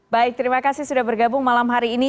baik terima kasih sudah bergabung malam hari ini